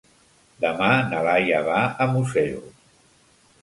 Demà na Laia va a Museros.